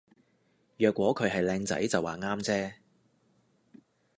若果佢係靚仔就話啱啫